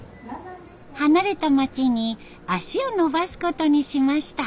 離れた町に足を延ばすことにしました。